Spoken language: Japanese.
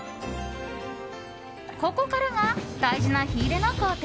ここからが大事な火入れの工程。